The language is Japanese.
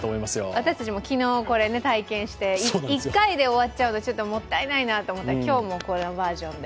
私たちも昨日これを体験して１回で終わっちゃうのはもったいなと思ってたけど今日もこのバージョンで。